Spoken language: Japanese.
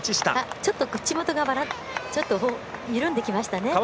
ちょっと口元が緩んできましたね。